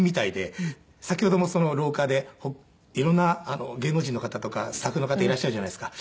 先ほども廊下で色んな芸能人の方とかスタッフの方いらっしゃるじゃないですか。